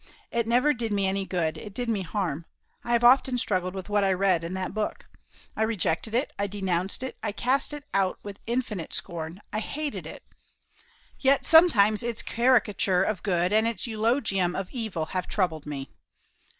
It never did me any good; it did me harm. I have often struggled with what I read in that book. I rejected it, I denounced it, I cast it out with infinite scorn, I hated it; yet sometimes its caricature of good and its eulogium of evil have troubled me.